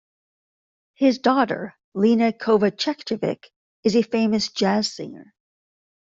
His daughter Lena Kovačević is a famous jazz singer.